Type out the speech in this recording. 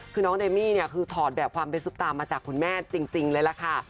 คือน้องเดมี่เนี่ยคือถอดแบบความเป็นซุปตามาจากคุณแม่จริงเลยล่ะค่ะ